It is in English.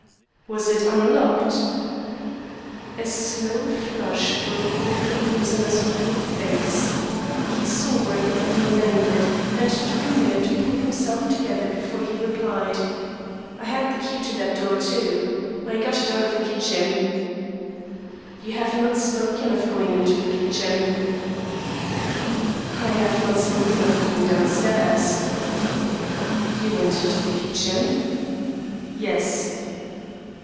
"Was it unlocked?" A slow flush broke over the prisoner's whole face. He saw where he had been landed and took a minute to pull himself together before he replied: "I had the key to that door, too. I got it out of the kitchen." "You have not spoken of going into the kitchen." "I have not spoken of coming downstairs." "You went into the kitchen?" "Yes."